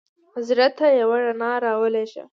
زړه ته یوه رڼا را ولېږه.